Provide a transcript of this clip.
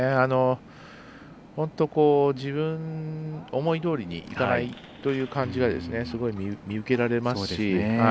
本当、自分の思いどおりにいかないという感じがすごい見受けられますし。